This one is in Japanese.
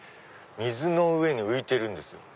水の上に浮いてるんです。